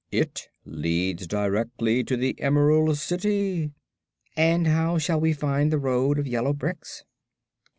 It leads directly to the Emerald City." "And how shall we find the road of yellow bricks?"